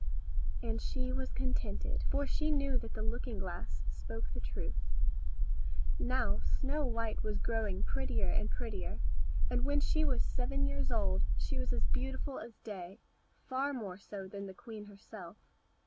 And she was contented, for she knew that the looking glass spoke the truth. Now, Snow white was growing prettier and prettier, and when she was seven years old she was as beautiful as day, far more so than the queen herself.